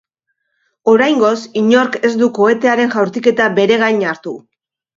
Oraingoz, inork ez du kohetearen jaurtiketa beregain hartu.